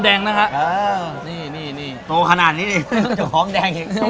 ตัวขนาดนี้เรียง